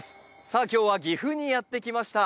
さあ今日は岐阜にやって来ました。